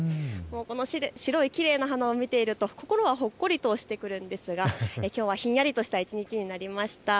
白いきれいな花を見ていると心はほっこりとしてくるんですがきょうはひんやりとした一日になりました。